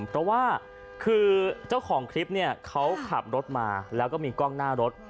เพราะว่าคือเจ้าของคลิปเนี่ยเขาขับรถมาแล้วก็มีกล้องหน้ารถ